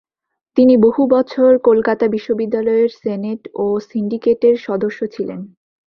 তিনি বহু বছর কলকাতা বিশ্ববিদ্যালয়ের সেনেট ও সিন্ডিকেটের সদস্য ছিলেন।